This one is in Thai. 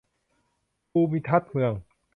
ภูมิทัศน์เมือง